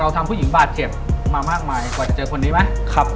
ทำผู้หญิงบาดเจ็บมามากมายกว่าจะเจอคนนี้ไหม